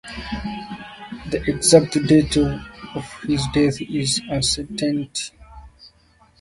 The exact date of his death is uncertain.